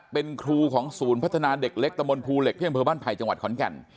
เป็นครูของศูนย์พัฒนาเด็กเล็กตะมนต์ภูเหล็กที่อำเภอบ้านไผ่จังหวัดขอนแก่น